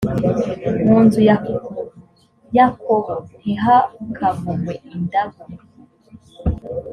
mu nzu ya yakobo ntihakavugwe indagu.